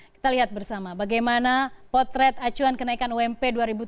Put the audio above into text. kita lihat bersama bagaimana potret acuan kenaikan ump dua ribu tujuh belas